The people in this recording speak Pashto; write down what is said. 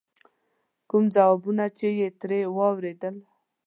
کوم ځوابونه چې یې ترې واورېدل.